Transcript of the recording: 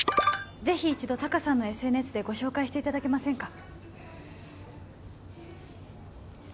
ぜひ一度ＴＡＫＡさんのＳＮＳでご紹介していただけませんか？